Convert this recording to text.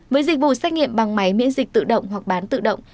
với dịch vụ xét nghiệm bằng máy miễn dịch tự động hoặc bán tự động